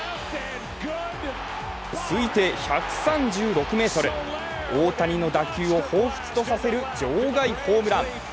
推定１３６ｍ、大谷の打球をほうふつとさせる場外ホームラン。